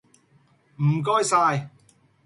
唔該晒